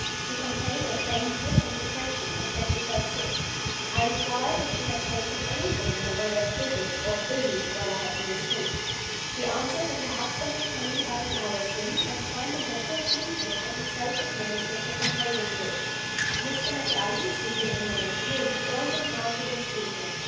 She complained of faintness and depression, and said she felt sick. I inquired if she had taken anything in the way of physic or food while I had been asleep. She answered that her husband had come in about an hour since, and, finding her still sleepless, had himself administered the composing draught. Mr. Macallan (sleeping in the next room) joined us while she was speaking.